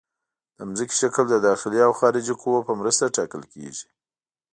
د ځمکې شکل د داخلي او خارجي قوو په مرسته ټاکل کیږي